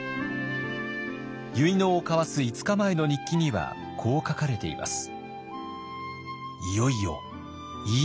結納を交わす５日前の日記にはこう書かれています。